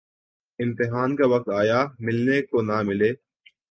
امتحان کا وقت آیا‘ ملنے کو نہ ملے۔